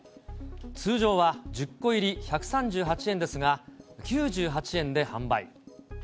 通常は１０個入り１３８円ですが、９８円で販売。